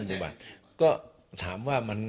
ที่เค้าแจกทุกหมู่บ้านก็ถามว่ามัน